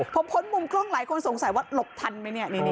ผมพ้นมุมกล้องหลายคนสงสัยว่าหลบทันไหมเนี่ย